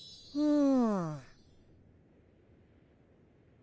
うん。